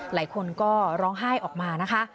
หลายคนก็ร้องไห้ออกมานะคะ